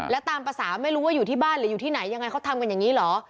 แล้วตามภาษาไม่รู้ว่าอยู่ที่บ้านหรืออยู่ที่ไหนยังไงเขาทำกันอย่างนี้เหรอ